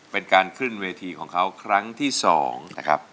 เป็นการขึ้นเวทีของเขาครั้งที่๒นะครับ